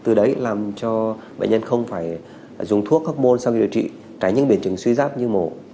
từ đấy làm cho bệnh nhân không phải dùng thuốc hốc môn sau khi điều trị trái những biển chứng suy giáp như mổ